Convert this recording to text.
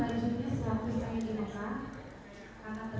saya tidak pernah mendengar akri